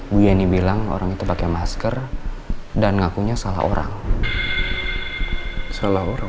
bu yeni bilang orang itu pakai masker dan ngakunya salah orang